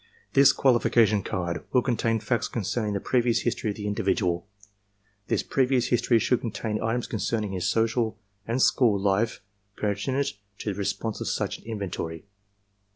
This qualification card will contain facts concerning the previous history of the individual. This previous history should contain items concerning his social and school life per tinent to the purpose of such an inventory.